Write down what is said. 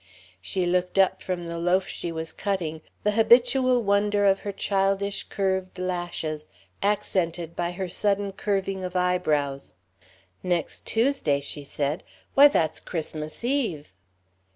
She looked up from the loaf she was cutting, the habitual wonder of her childish curved lashes accented by her sudden curving of eyebrows. "Next Tuesday?" she said, "Why, that's Christmas eve!"